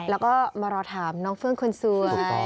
แล้วก็มารอถามน้องเฟื่องคนสวย